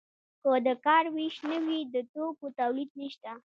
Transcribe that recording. که د کار ویش نه وي د توکو تولید نشته.